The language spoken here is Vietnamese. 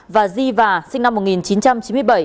và di và sinh năm một nghìn chín trăm chín mươi bảy